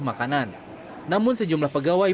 makanan namun sejumlah pegawai